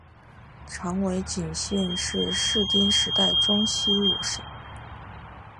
长尾景信是室町时代中期武将。